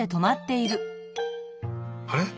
あれ？